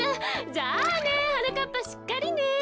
じゃあねはなかっぱしっかりね。